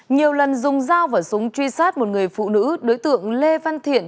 nhiều lần dùng dao và súng truy sát một người phụ nữ đối tượng lê văn thiện